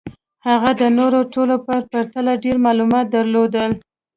هغه د نورو ټولو په پرتله ډېر معلومات درلودل